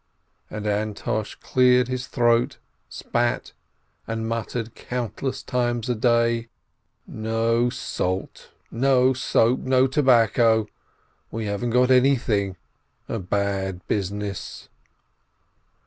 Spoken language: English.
And Antosh cleared his throat, spat, and muttered countless times a day: "No salt, no soap, no tobacco; we haven't got any thing. A bad business